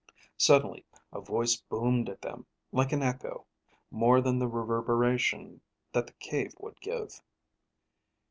Suddenly a voice boomed at them, like an echo, more than the reverberation that the cave would give.